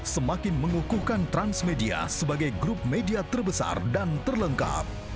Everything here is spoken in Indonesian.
semakin mengukuhkan transmedia sebagai grup media terbesar dan terlengkap